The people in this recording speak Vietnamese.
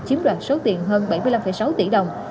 chiếm đoạt số tiền hơn bảy mươi năm sáu tỷ đồng